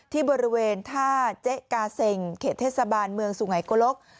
ที่บริเวณท่าเจ๊กาเซ็งเขตเทศบาลเมืองสุไงโกลก